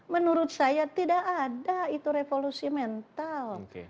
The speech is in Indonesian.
menurut saya tidak ada itu revolusi mental